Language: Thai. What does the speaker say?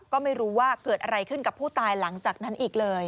ก็ไม่รู้ว่าเกิดอะไรขึ้นกับผู้ตายหลังจากนั้นอีกเลย